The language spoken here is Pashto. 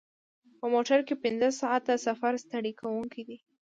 په موټر کې پنځه ساعته سفر ستړی کوونکی دی.